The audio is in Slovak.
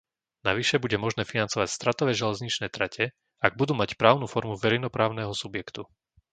Navyše bude možné financovať stratové železniční trate, ak budú mať právnu formu verejnoprávneho subjektu.